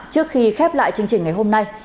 trước khi khép lại chương trình ngày hôm nay